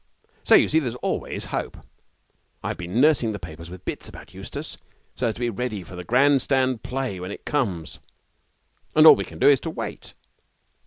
So, you see, there's always hope. I've been nursing the papers with bits about Eustace, so as to be ready for the grand stand play when it comes and all we can do is to wait.